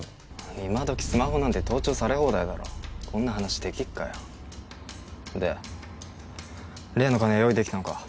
今どきスマホなんて盗聴され放題だろこんな話できっかよで例の金は用意できたのか？